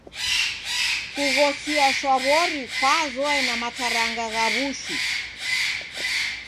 Kughosia shwaw'ori kwazoya na mataranga gha w'ushu.